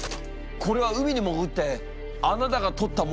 これは海に潜ってあなたが撮ったものなのか？